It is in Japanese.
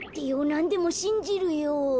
なんでもしんじるよ。